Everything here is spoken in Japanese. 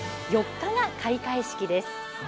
４日が開会式です。